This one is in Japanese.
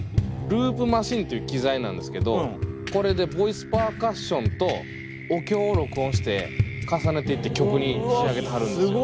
ループマシンっていう機材なんですけどこれでボイスパーカッションとお経を録音して重ねていって曲に仕上げてはるんですよ。